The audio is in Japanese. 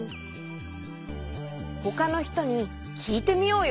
ほかのひとにきいてみようよ。